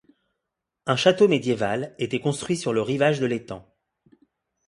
Un château médiéval était construit sur le rivage de l'étang.